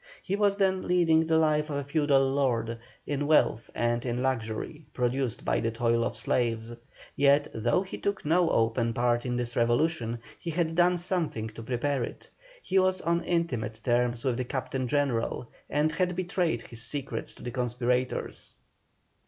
He was then leading the life of a feudal lord, in wealth and in luxury, produced by the toil of slaves; yet though he took no open part in this revolution, he had done something to prepare it. He was on intimate terms with the Captain General and had betrayed his secrets to the conspirators.